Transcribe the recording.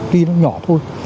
tuy nó nhỏ thôi